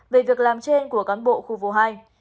về việc làm trên của cán bộ khu phố hai